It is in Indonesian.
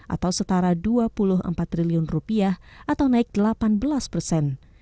atau setara dua puluh empat triliun rupiah atau naik delapan belas persen